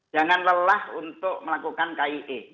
jangan lelah untuk melakukan kie